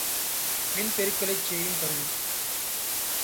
மின் பெருக்கலைச் செய்யும் கருவி.